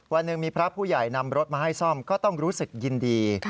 วันหนึ่งมีพระผู้ใหญ่นำรถมาให้ซ่อมก็ต้องรู้สึกยินดี